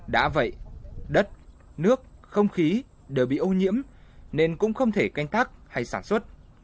đã vậy đất nước không khí đều bị ô nhiễm nên cũng không thể canh tác hay sản xuất